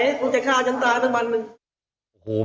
คุณจะฆ่าฉันตะพันผ่านหนึ่ง